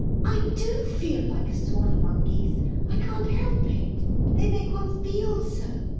I do feel like a swan among geese—I can't help it. They make one feel so.